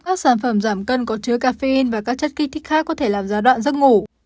các sản phẩm giảm cân có chứa caffeine và các chất kích thích khác có thể làm gia đoạn giấc ngủ